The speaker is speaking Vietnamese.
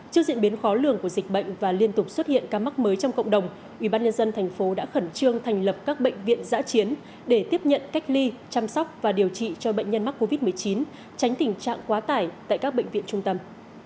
trước diễn biến khó lường của dịch bệnh và liên tục xuất hiện ca mắc mới trong cộng đồng ubnd tp đã khẩn trương thành lập các bệnh viện giã chiến để tiếp nhận cách ly chăm sóc và điều trị cho bệnh nhân mắc covid một mươi chín tránh tình trạng quá tải tại các bệnh viện trung tâm